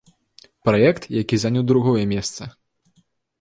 Праект, які заняў другое месца.